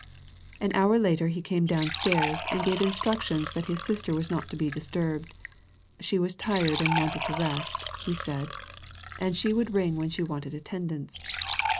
An hour later he came downstairs and gave instructions that his sister was not to be disturbed she was tired and wanted to rest, he said, and she would ring when she wanted attendance.